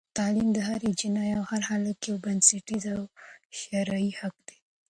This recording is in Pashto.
تعلیم د هرې نجلۍ او هر هلک یو بنسټیز او شرعي حق دی.